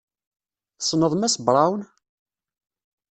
Tessneḍ Mass Braun?